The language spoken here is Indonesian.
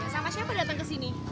sama siapa datang ke sini